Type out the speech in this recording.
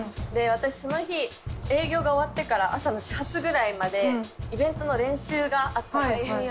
私その日営業が終わってから朝の始発ぐらいまでイベントの練習があったんですよ。